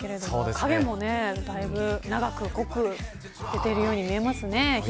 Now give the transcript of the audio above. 影もだいぶ長く、濃く出ているように見えますね。